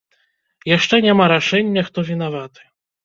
Яшчэ няма рашэння, хто вінаваты.